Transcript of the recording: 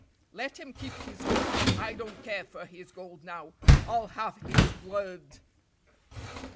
"Let him keep his gold I don't care for his gold now. I'll have his blood!"